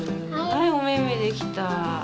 はいおめめできた。